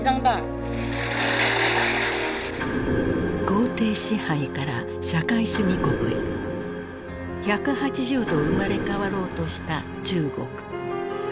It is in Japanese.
皇帝支配から社会主義国へ１８０度生まれ変わろうとした中国。